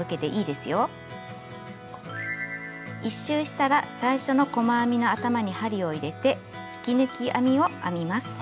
１周したら最初の細編みの頭に針を入れて引き抜き編みを編みます。